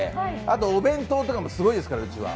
あと、お弁当とかもすごいですから、うちは。